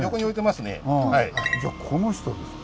じゃこの人ですか。